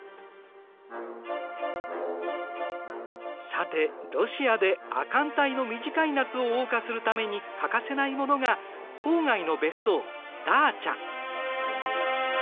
さてロシアで亜寒帯の短い夏をおう歌するために欠かせないものが郊外の別荘ダーチャ。